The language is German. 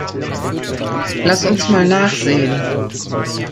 Lass uns mal nachsehen.